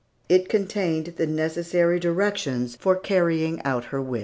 It contained the necessary directions for carrying out her wish.